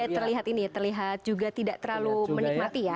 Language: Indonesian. terlihat ini ya terlihat juga tidak terlalu menikmati ya